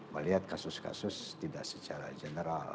melihat kasus kasus tidak secara general